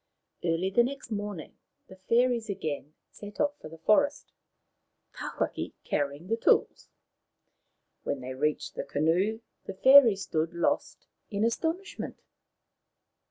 Early the next morning the fairies again set off for the forest, Tawhaki carrying the tools. When they reached the canoe the fairies stood lost in astonishment.